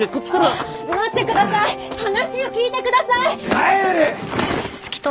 帰れ！